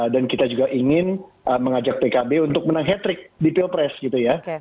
dan kita juga ingin mengajak pkb untuk menang hat trick di pilpres gitu ya